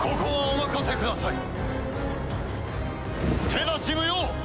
手出し無用！